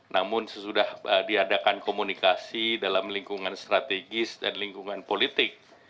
namun sesudah diadakan komunikasi dalam lingkungan strategis dan lingkungan politik